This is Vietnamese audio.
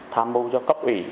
tham mưu cho cấp ủy